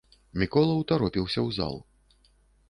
Мікола ўтаропіўся ў зал.